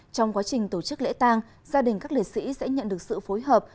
trong quá trình tổ chức lễ tàng gia đình các lễ sĩ sẽ nhận được sự phối hợp